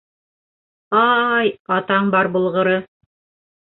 — Ай, атаң бар булғыры.